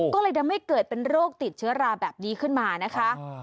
ก็เลยทำให้เกิดเป็นโรคติดเชื้อราแบบนี้ขึ้นมานะคะ